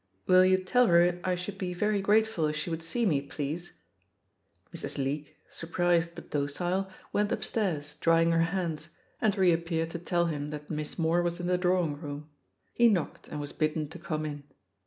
''Will you tell her I should be very grateful if she would see me, please?" Mrs. Leake, surprised but docile, went upstairs drying her hands, and reappeared to tell him that ''Miss Moore was in the drawing room." He knocked^ and was bidden to "come in."